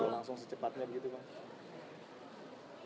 langsung secepatnya gitu bang